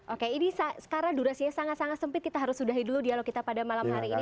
oke ini sekarang durasinya sangat sangat sempit kita harus sudahi dulu dialog kita pada malam hari ini